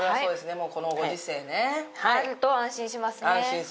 もうこのご時世ねあると安心しますね